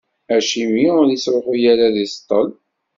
Acimi ur ittruḥu ara ad d-iṣeṭṭel?